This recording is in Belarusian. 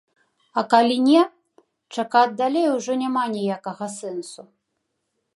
А калі не, чакаць далей ужо няма ніякага сэнсу.